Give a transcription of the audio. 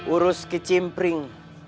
urus ke cimpring